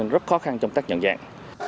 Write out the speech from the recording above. rất khó khăn trong tác nhận dạng